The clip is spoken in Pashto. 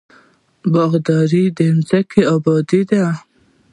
باغداري د ځمکې ابادي ده.